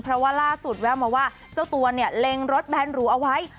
เพราะว่าล่าสุดแววมาว่าเจ้าตัวเนี่ยเล็งรถแบนหรูเอาไว้